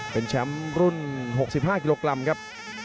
เป็นแชมป์รุ่น๖๕กิโลกรัมครับ